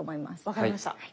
分かりました。